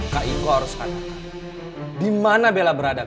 kak iko harus kata dimana bella berada kak